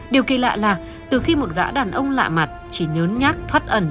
điều kỳ lạ là từ khi một gã đàn ông lạ mặt chỉ nhớ nhắc thoát ẩn